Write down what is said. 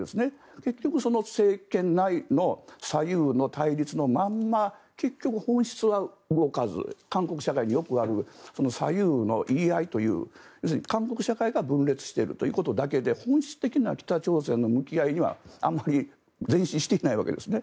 結局、その政権内の左右の対立のまま結局、本質は動かず韓国社会によくある左右の言い合いという韓国社会が分裂しているだけという本質的な北朝鮮の向き合いには前進してないわけですね。